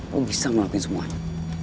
lo bisa ngelakuin semuanya